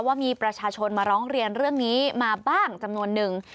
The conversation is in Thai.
ว่ามีประชาชนมาร้องเรียนเรื่องนี้มาบ้างจำนวนนึง